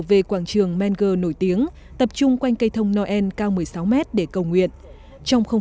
về quảng trường mener nổi tiếng tập trung quanh cây thông noel cao một mươi sáu mét để cầu nguyện trong không